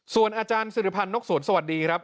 ส่วนอาจารย์สิริพันธ์นกสวนสวัสดีครับ